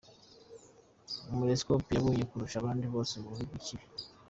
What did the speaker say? Umurescapé yabonye kurusha abandi bose ububi bw’ikibi.